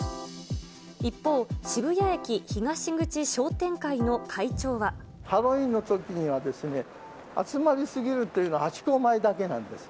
一方、ハロウィーンのときには、集まりすぎるっていうのはハチ公前だけなんです。